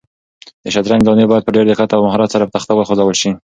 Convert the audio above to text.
د شطرنج دانې باید په ډېر دقت او مهارت سره په تخته وخوځول شي.